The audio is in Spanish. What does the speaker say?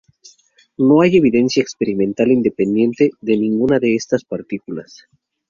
No hay evidencia experimental independiente de ninguna de estas partículas.